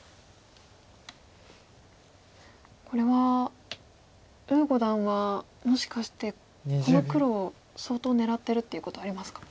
これは呉五段はもしかしてこの黒を相当狙ってるっていうことありますか？